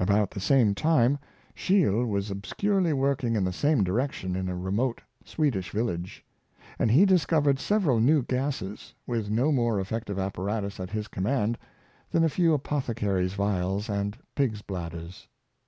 About the same time Scheele was obscurely working in the same direction in a re mote Swedish village; and he discovered several new gases, with no more effective apparatus at his com mand than a few apothecaries' vials and pigs' blad ders.